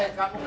eh eh eh buka